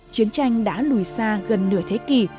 chiến tranh đã lùi xa gần nửa thế kỷ